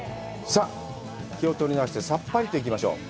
さあ、気を取り直してさっぱりと行きましょう。